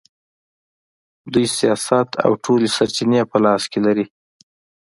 دوی سیاست او ټولې سرچینې په لاس کې لري.